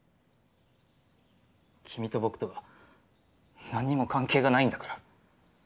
君と僕とは何にも関係がないんだから。